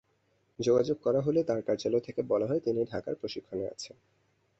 যোগাযোগ করা হলে তাঁর কার্যালয় থেকে বলা হয়, তিনি ঢাকায় প্রশিক্ষণে আছেন।